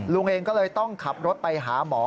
ลุงเองก็เลยต้องขับรถไปหาหมอ